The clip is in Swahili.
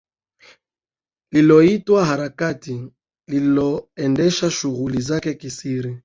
lililoitwa harakati lililoendesha shughuli zake kisiri